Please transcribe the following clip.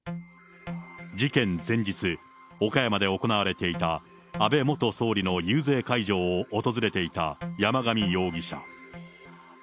事件前日、岡山で行われていた安倍元総理の遊説会場を訪れていた山上容疑者。